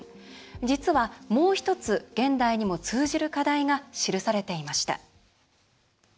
実はもう１つ、現代にも通じる課題が記されていました。